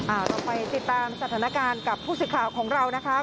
เราไปติดตามสถานการณ์กับผู้สื่อข่าวของเรานะคะ